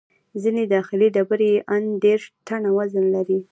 ځینې داخلي ډبرې یې ان دېرش ټنه وزن لري.